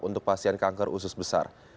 untuk pasien kanker usus besar